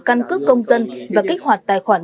căn cước công dân và kích hoạt tài khoản